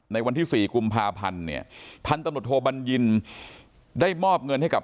วันที่๔กุมภาพันธ์เนี่ยพันตำรวจโทบัญญินได้มอบเงินให้กับ